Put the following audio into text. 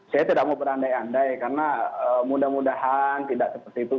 saya tidak mau berandai andai karena mudah mudahan tidak seperti itu